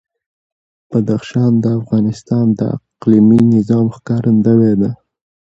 بدخشان د افغانستان د اقلیمي نظام ښکارندوی ده.